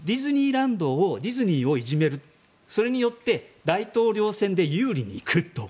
ランドをディズニーをいじめるそれによって大統領選で有利に行くと。